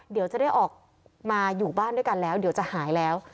เดี๋ยวจะได้ออกมาอยู่บ้านด้วยกันแล้วเดี๋ยวจะหายแล้ว